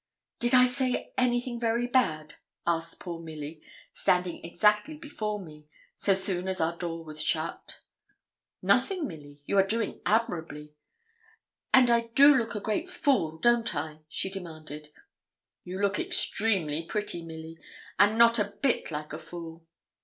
'Did I say anything very bad?' asked poor Milly, standing exactly before me, so soon as our door was shut. 'Nothing, Milly; you are doing admirably.' 'And I do look a great fool, don't I?' she demanded. 'You look extremely pretty, Milly; and not a bit like a fool.'